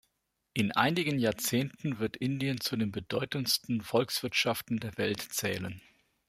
In einigen Jahrzehnten wird Indien zu den bedeutendsten Volkswirtschaften der Welt zählen.